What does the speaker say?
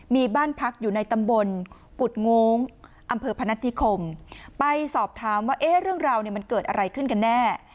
มีบ้านพักอยู่ในตำบลกุฎโง้งอำเภอพนัฐนิคมไปสอบถามว่าเอ๊ะเรื่องราวเนี่ยมันเกิดอะไรขึ้นกันแน่